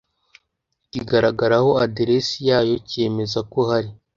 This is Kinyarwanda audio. kigaragaraho aderesi yayo cyemeza ko hari